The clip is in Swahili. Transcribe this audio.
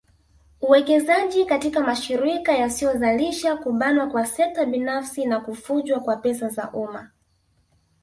uwekezaji katika mashirika yasiyozalisha kubanwa kwa sekta binafsi na kufujwa kwa pesa za umma